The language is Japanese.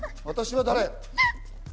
私は誰？